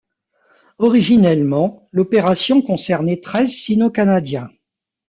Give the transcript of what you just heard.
Originellement, l'opération concernait treize Sino-Canadiens.